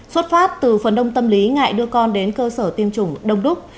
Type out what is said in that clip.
xuất phát từ phần đông tâm lý ngại đưa con đến cơ sở tiêm chủng đông đúc